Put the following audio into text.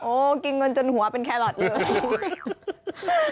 โอ้กินกันจนหัวเป็นแครอทเลย